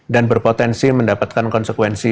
dan berpotensi mendapatkan konsekuensi